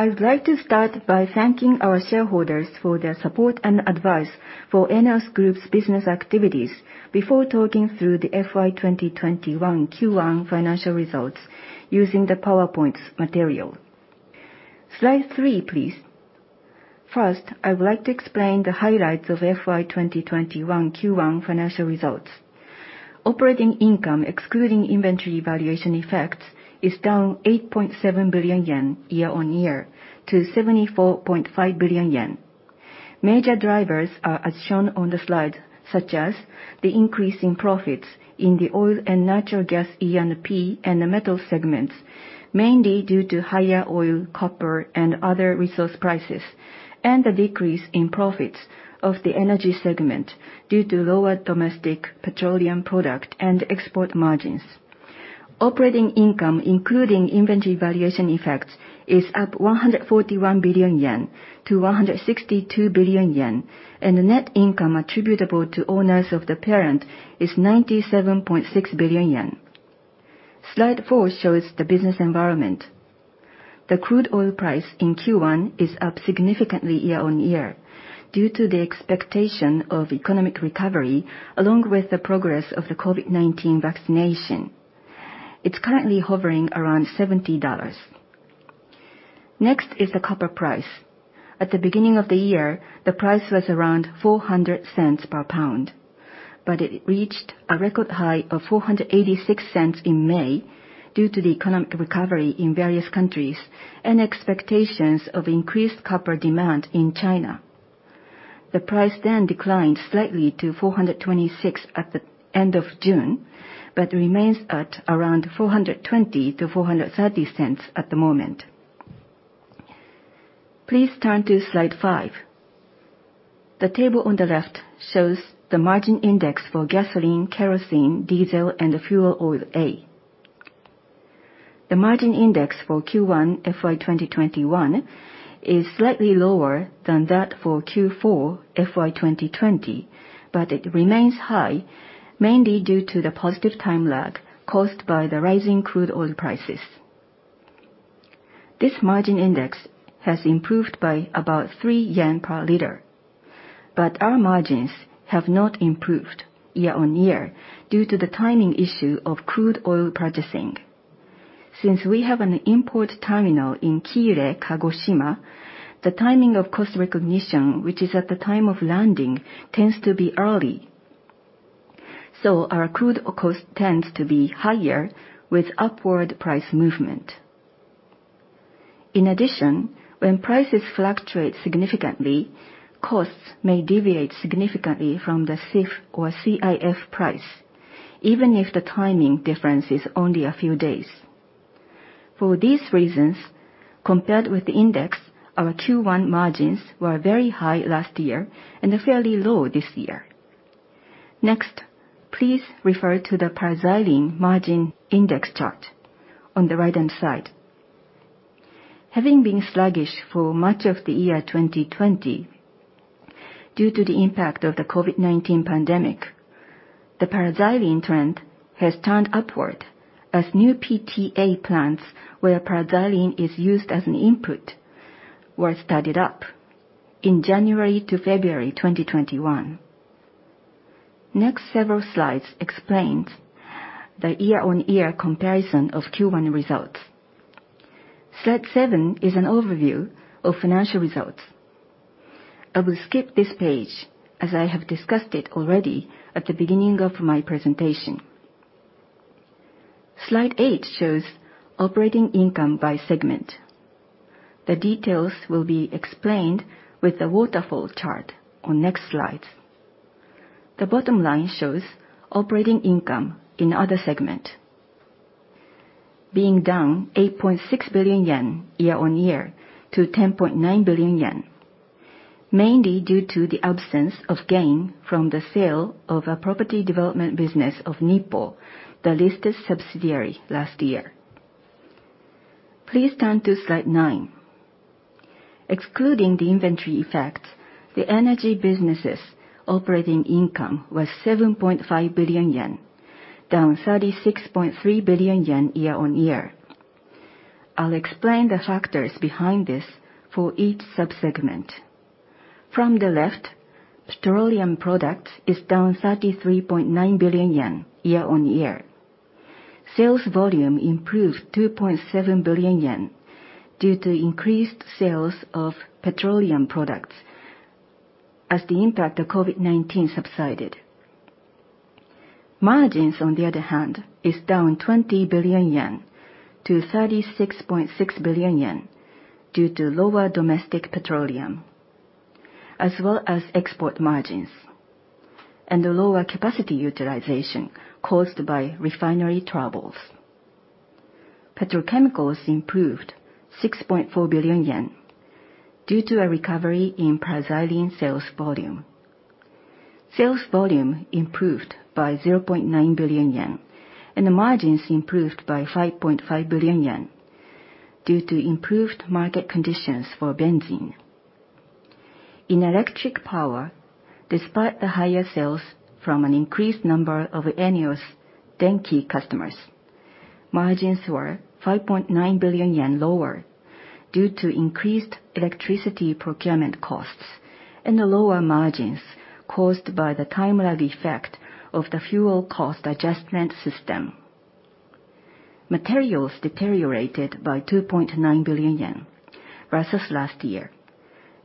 I would like to start by thanking our shareholders for their support and advice for ENEOS Group's business activities before talking through the FY 2021 Q1 financial results using the PowerPoint material. Slide three, please. First, I would like to explain the highlights of FY 2021 Q1 financial results. Operating income, excluding inventory valuation effects, is down 8.7 billion yen year-on-year to 74.5 billion yen. Major drivers are as shown on the slide, such as the increase in profits in the oil and natural gas E&P and the metal segments, mainly due to higher oil, copper, and other resource prices, and the decrease in profits of the energy segment due to lower domestic petroleum product and export margins. Operating income, including inventory valuation effects, is up 141 billion-162 billion yen, and the net income attributable to owners of the parent is 97.6 billion yen. Slide four shows the business environment. The crude oil price in Q1 is up significantly year-over-year due to the expectation of economic recovery, along with the progress of the COVID-19 vaccination. It's currently hovering around $70. Next is the copper price. At the beginning of the year, the price was around $4.00 per pound, but it reached a record high of $4.86 in May due to the economic recovery in various countries and expectations of increased copper demand in China. The price then declined slightly to $4.26 at the end of June, but remains at around $4.20-$4.30 at the moment. Please turn to Slide five. The table on the left shows the margin index for gasoline, kerosene, diesel, and the fuel oil A. The margin index for Q1 FY 2021 is slightly lower than that for Q4 FY 2020, but it remains high, mainly due to the positive time lag caused by the rising crude oil prices. This margin index has improved by about 3 yen per liter, but our margins have not improved year-over-year due to the timing issue of crude oil purchasing. Since we have an import terminal in Kiire, Kagoshima, the timing of cost recognition, which is at the time of landing, tends to be early, so our crude cost tends to be higher with upward price movement. In addition, when prices fluctuate significantly, costs may deviate significantly from the CIF price, even if the timing difference is only a few days. For these reasons, compared with the index, our Q1 margins were very high last year and fairly low this year. Please refer to the paraxylene margin index chart on the right-hand side. Having been sluggish for much of the year 2020 due to the impact of the COVID-19 pandemic, the paraxylene trend has turned upward as new PTA plants where paraxylene is used as an input were started up in January to February 2021. Several slides explains the year-over-year comparison of Q1 results. Slide seven is an overview of financial results. I will skip this page as I have discussed it already at the beginning of my presentation. Slide eight shows operating income by segment. The details will be explained with the waterfall chart on next slides. The bottom line shows operating income in other segment being down 8.6 billion yen year-on-year to 10.9 billion yen, mainly due to the absence of gain from the sale of a property development business of Nippo, the listed subsidiary last year. Please turn to slide nine. Excluding the inventory effects, the energy business's operating income was 7.5 billion yen, down 36.3 billion yen year-on-year. I'll explain the factors behind this for each sub-segment. From the left, petroleum product is down 33.9 billion yen year-on-year. Sales volume improved 2.7 billion yen due to increased sales of petroleum products as the impact of COVID-19 subsided. Margins, on the other hand, is down 20 billion yen to 36.6 billion yen due to lower domestic petroleum, as well as export margins and the lower capacity utilization caused by refinery troubles. Petrochemicals improved 6.4 billion yen due to a recovery in paraxylene sales volume. Sales volume improved by 0.9 billion yen, the margins improved by 5.5 billion yen due to improved market conditions for benzene. In electric power, despite the higher sales from an increased number of ENEOS Denki customers, margins were 5.9 billion yen lower due to increased electricity procurement costs and the lower margins caused by the time lag effect of the fuel cost adjustment system. Materials deteriorated by 2.9 billion yen versus last year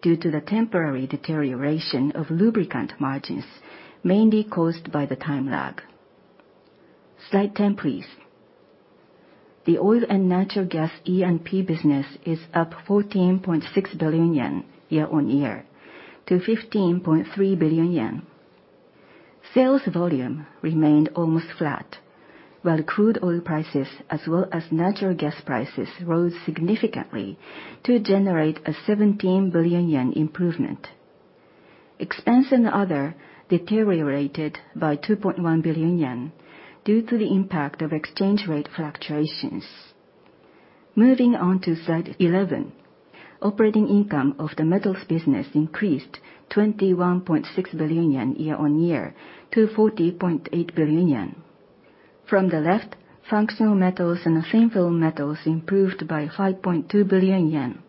due to the temporary deterioration of lubricant margins, mainly caused by the time lag. Slide 10, please. The oil and natural gas E&P business is up 14.6 billion yen year-on-year to 15.3 billion yen. Sales volume remained almost flat, while crude oil prices as well as natural gas prices rose significantly to generate a 17 billion yen improvement. Expense and other deteriorated by 2.1 billion yen due to the impact of exchange rate fluctuations. Moving on to Slide 11. Operating income of the metals business increased 21.6 billion yen year-on-year to 40.8 billion yen. From the left, functional metals and thin-film metals improved by 5.2 billion yen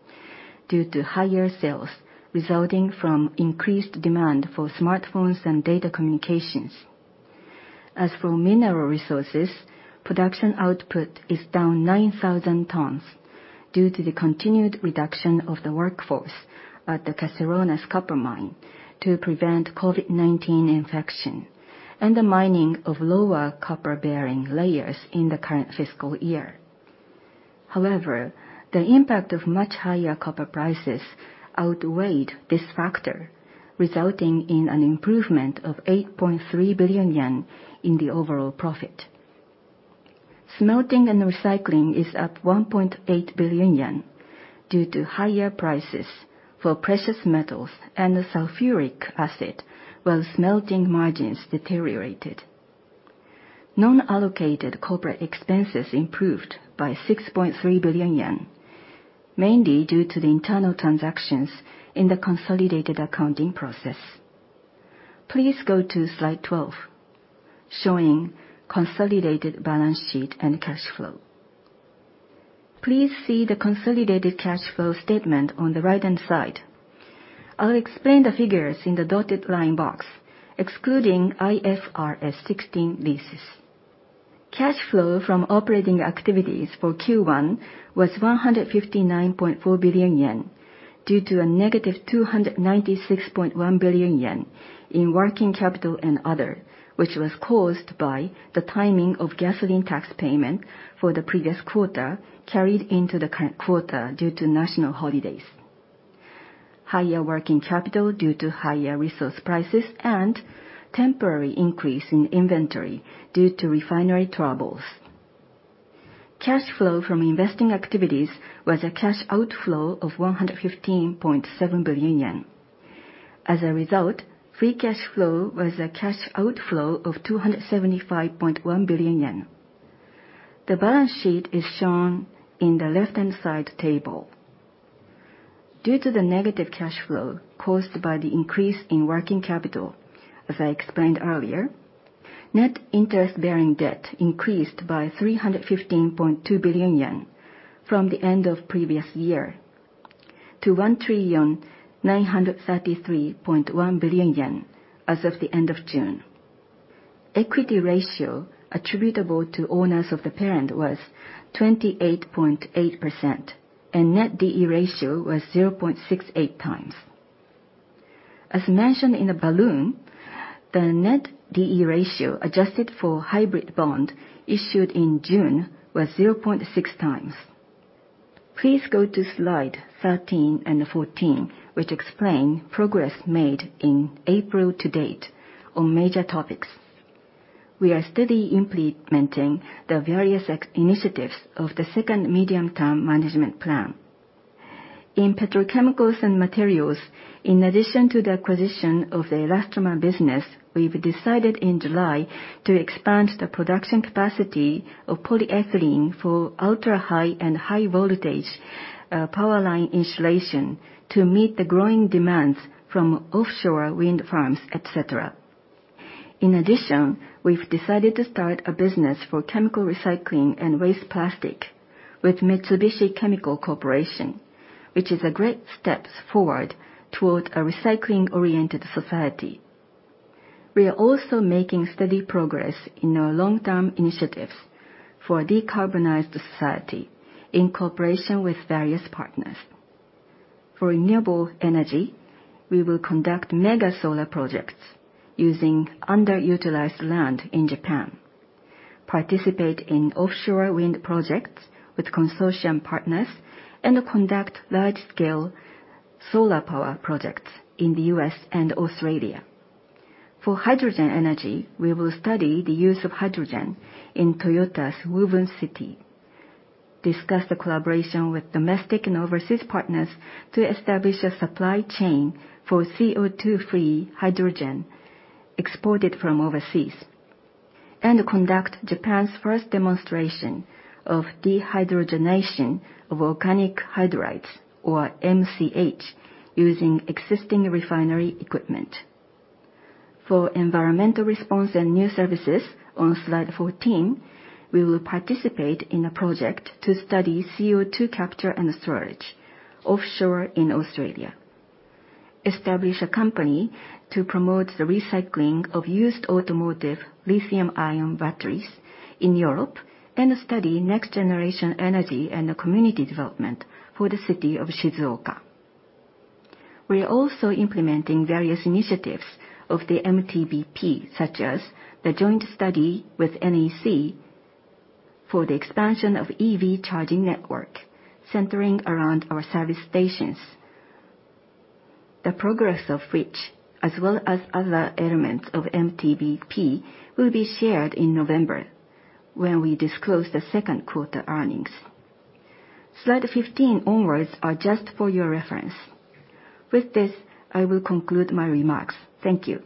due to higher sales resulting from increased demand for smartphones and data communications. As for mineral resources, production output is down 9,000 tons due to the continued reduction of the workforce at the Caserones copper mine to prevent COVID-19 infection and the mining of lower copper-bearing layers in the current fiscal year. The impact of much higher copper prices outweighed this factor, resulting in an improvement of 8.3 billion yen in the overall profit. Smelting and recycling is up 1.8 billion yen due to higher prices for precious metals and the sulfuric acid, while smelting margins deteriorated. Non-allocated corporate expenses improved by 6.3 billion yen, mainly due to the internal transactions in the consolidated accounting process. Please go to Slide 12, showing consolidated balance sheet and cash flow. Please see the consolidated cash flow statement on the right-hand side. I'll explain the figures in the dotted line box, excluding IFRS 16 leases. Cash flow from operating activities for Q1 was 159.4 billion yen due to a negative 296.1 billion yen in working capital and other, which was caused by the timing of gasoline tax payment for the previous quarter carried into the current quarter due to national holidays, higher working capital due to higher resource prices, and temporary increase in inventory due to refinery troubles. Cash flow from investing activities was a cash outflow of 115.7 billion yen. As a result, free cash flow was a cash outflow of 275.1 billion yen. The balance sheet is shown in the left-hand side table. Due to the negative cash flow caused by the increase in working capital, as I explained earlier, net interest-bearing debt increased by 315.2 billion yen from the end of previous year to 1,933.1 billion yen as of the end of June. Equity ratio attributable to owners of the parent was 28.8%, and net D/E ratio was 0.68x. As mentioned in the balloon, the net D/E ratio, adjusted for hybrid bond issued in June, was 0.6x. Please go to Slide 13 and 14, which explain progress made in April to date on major topics. We are steadily implementing the various initiatives of the second medium-term management plan. In petrochemicals and materials, in addition to the acquisition of the elastomer business, we've decided in July to expand the production capacity of polyethylene for ultrahigh and high voltage power line installation to meet the growing demands from offshore wind farms, et cetera. In addition, we've decided to start a business for chemical recycling and waste plastic with Mitsubishi Chemical Corporation, which is a great step forward toward a recycling-oriented society. We are also making steady progress in our long-term initiatives for a decarbonized society in cooperation with various partners. For renewable energy, we will conduct mega solar projects using underutilized land in Japan, participate in offshore wind projects with consortium partners, and conduct large-scale solar power projects in the U.S. and Australia. For hydrogen energy, we will study the use of hydrogen in Toyota's Woven City, discuss the collaboration with domestic and overseas partners to establish a supply chain for CO2-free hydrogen exported from overseas, and conduct Japan's first demonstration of dehydrogenation of organic hydrides, or MCH, using existing refinery equipment. For environmental response and new services on Slide 14, we will participate in a project to study CO2 capture and storage offshore in Australia, establish a company to promote the recycling of used automotive lithium-ion batteries in Europe, and study next-generation energy and community development for the city of Shizuoka. We are also implementing various initiatives of the MTBP, such as the joint study with NEC for the expansion of EV charging network centering around our service stations, the progress of which, as well as other elements of MTBP, will be shared in November, when we disclose the second quarter earnings. Slide 15 onwards are just for your reference. With this, I will conclude my remarks. Thank you.